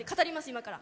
今から。